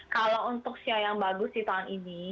kalau untuk sia yang bagus di tahun ini